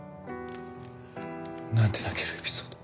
何て泣けるエピソード。